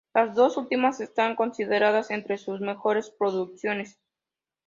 Las dos últimas están consideradas entre sus mejores producciones.